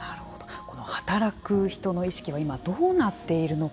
この働く人の意識は今どうなっているのか。